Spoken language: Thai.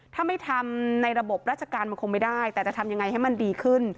ถ้าไม่ทำในระบบราชการมันคงไม่ได้แต่จะทำยังไงให้มันดีขึ้น